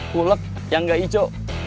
kulek yang gak ijo